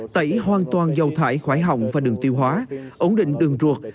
tẩy hoàn toàn dầu thải khoải họng và đường tiêu hóa ổn định đường ruột